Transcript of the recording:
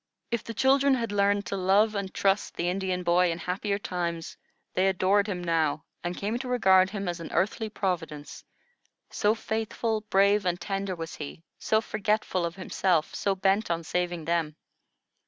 If the children had learned to love and trust the Indian boy in happier times, they adored him now, and came to regard him as an earthly Providence; so faithful, brave, and tender was he, so forgetful of himself, so bent on saving them.